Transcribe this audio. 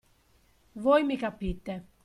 Voi mi capite.